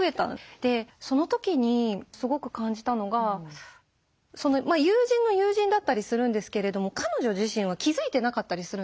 でその時にすごく感じたのが友人の友人だったりするんですけれども彼女自身は気付いてなかったりするんです。